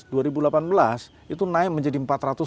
dua kali lipat jumlah populasi indonesia kalau begitu